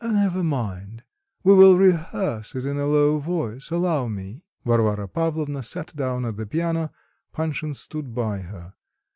"Never mind, we will rehearse it in a low voice. Allow me." Varvara Pavlovna sat down at the piano, Panshin stood by her.